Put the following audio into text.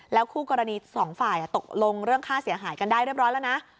คู่กรณีสองฝ่ายตกลงเรื่องค่าเสียหายกันได้เรียบร้อยแล้วนะ